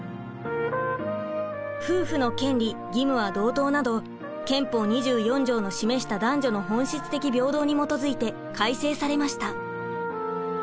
夫婦の権利義務は同等など憲法２４条の示した男女の本質的平等に基づいて改正されました。